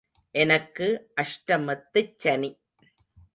எனக்கு அஷ்டமத்துச் சனி.